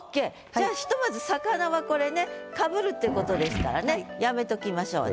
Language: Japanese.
じゃあひとまず「肴」はこれねかぶるっていうことですからねやめときましょうね。